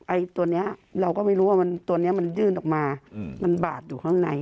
ไอ้ตัวนี้เราก็ไม่รู้ว่าตัวนี้มันยื่นออกมามันบาดอยู่ข้างใน